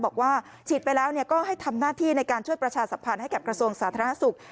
บอกว่าฉีดไปแล้วก็ให้ทำหน้าที่ในการช่วยประชาสัมพันธ์ให้กับกระทรวงสาธารณสุข